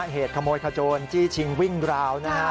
เหตุขโมยขโจรจี้ชิงวิ่งราวนะฮะ